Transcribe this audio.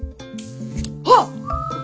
あっ！